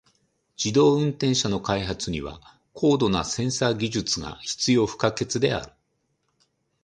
自動運転車の開発には高度なセンサー技術が必要不可欠である。